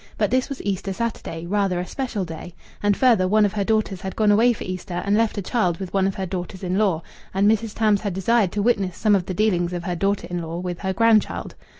But this was Easter Saturday rather a special day and, further, one of her daughters had gone away for Easter and left a child with one of her daughters in law, and Mrs. Tams had desired to witness some of the dealings of her daughter in law with her grandchild.